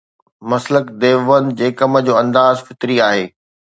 مسلڪ ديوبند جي ڪم جو انداز فطري آهي.